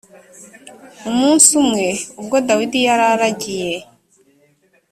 umunsi umwe ubwo dawidi yari aragiye